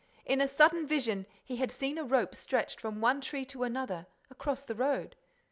In a sudden vision, he had seen a rope stretched from one tree to another, across the road.